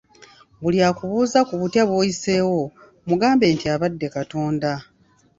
Buli akubuuza ku butya bw'oyiseewo, mugambe nti abadde Katonda.